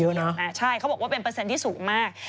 ใช่เขาบอกว่าเป็นเปอร์เซ็นต์ที่สูงมาก